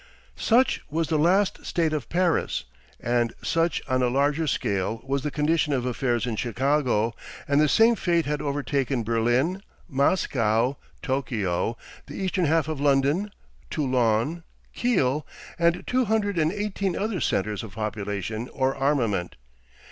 Such was the last state of Paris, and such on a larger scale was the condition of affairs in Chicago, and the same fate had overtaken Berlin, Moscow, Tokio, the eastern half of London, Toulon, Kiel, and two hundred and eighteen other centres of population or armament.